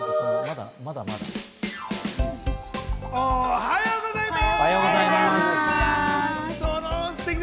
おはようございます！